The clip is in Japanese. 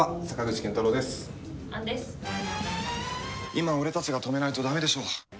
今、俺たちが止めないとだめでしょう。